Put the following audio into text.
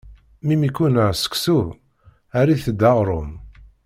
Mi m-ikkunner seksu, err-it-d aɣṛum.